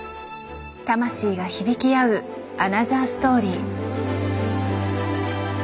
魂が響き合うアナザーストーリー。